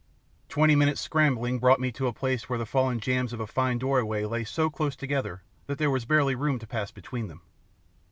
Twenty minutes' scrambling brought me to a place where the fallen jambs of a fine doorway lay so close together that there was barely room to pass between them.